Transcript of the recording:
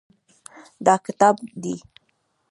دا کتاب دی.